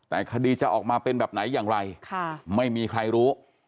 แต่คดีจะออกมาเป็นแบบไหนอย่างไรไม่มีใครรู้